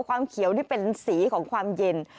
ความเขียวนี่เป็นสีของความเย็น